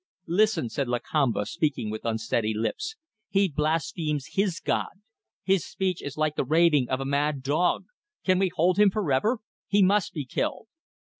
"Listen," said Lakamba, speaking with unsteady lips, "he blasphemes his God. His speech is like the raving of a mad dog. Can we hold him for ever? He must be killed!"